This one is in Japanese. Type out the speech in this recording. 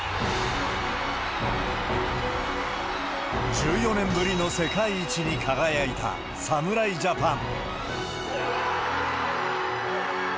１４年ぶりの世界一に輝いた侍ジャパン。